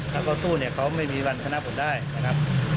ถ้าเขาสู้เนี่ยเขาไม่มีวันชนะผมได้นะครับ